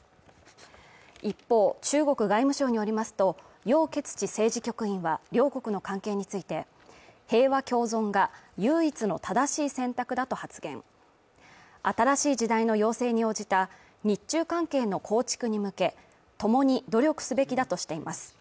一方中国外務省によりますと楊潔チ政治局委員は両国の関係について平和共存が唯一の正しい選択だと発言新しい時代の要請に応じた日中関係の構築に向け共に努力すべきだとしています